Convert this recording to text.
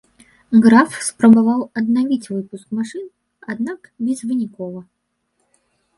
Граф спрабаваў аднавіць выпуск машын, аднак безвынікова.